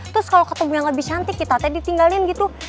terus kalau ketemu yang lebih cantik kita tadi ditinggalin gitu